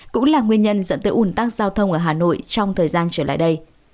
cũng là nguyên nhân dẫn tới ủn tắc giao thông ở hà nội trong thời gian trở lại đây